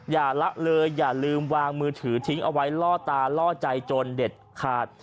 อย่าละเลยอย่าลืมวางมือถือทิ้งเอาไว้ล่อตาล่อใจจนเด็ดขาด